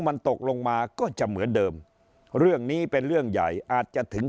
มันตกลงมาก็จะเหมือนเดิมเรื่องนี้เป็นเรื่องใหญ่อาจจะถึง